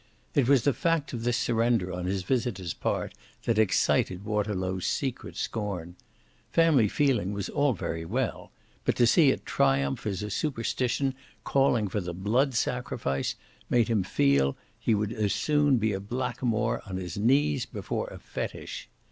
It was the fact of this surrender on his visitor's part that excited Waterlow's secret scorn: family feeling was all very well, but to see it triumph as a superstition calling for the blood sacrifice made him feel he would as soon be a blackamoor on his knees before a fetish.